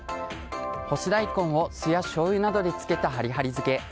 干し大根を酢やしょうゆなどに漬けた、はりはり漬け。